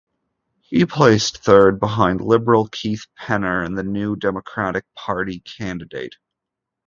He placed third behind Liberal Keith Penner and the New Democratic Party candidate.